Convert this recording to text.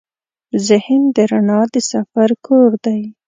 ذهن د رڼا د سفر کور دی.